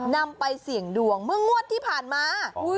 นำไปเสี่ยงดวงเมื่องวดที่ผ่านมา